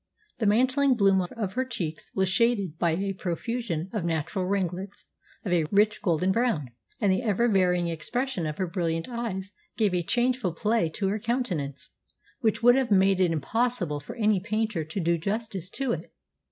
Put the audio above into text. The mantling bloom of her cheeks was shaded by a profusion of natural ringlets, of a rich golden brown, and the ever varying expression of her brilliant eyes gave a changeful play to her countenance, which would have made it impossible for any painter to do justice to it.